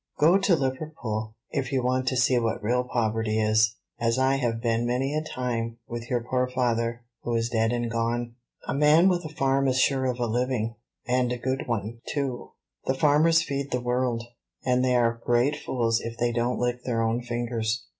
Go to Liverpool, if you want to see what real poverty is, as I have been many a time with your poor father, who is dead and gone. A man with a farm is sure of a living, and a good one, too; the farmers feed the world, and they are great fools if they don't lick their own fingers.